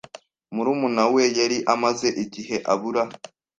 Murumuna we yari amaze igihe abura.